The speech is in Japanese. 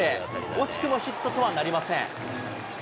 惜しくもヒットとはなりません。